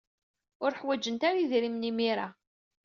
Ur ḥwajent ara idrimen imir-a.